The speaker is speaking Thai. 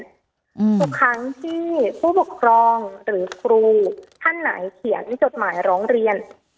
ทุกครั้งที่ผู้ปกครองหรือครูท่านไหนเขียนจดหมายร้องเรียน